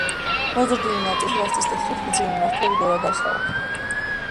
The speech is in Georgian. მოზრდილი ნაწილიც ლასტის ტიხრით, გრძივი მიმართულებით ორად არის გაყოფილი.